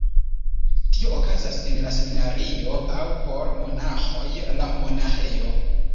Tio okazas en la seminario aŭ (por monaĥoj) la monaĥejo.